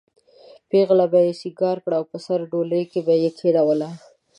پېغله به یې سینګاره کړه او په سره ډولۍ کې به یې کېنوله.